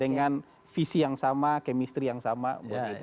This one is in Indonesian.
dengan visi yang sama kemistri yang sama buat itu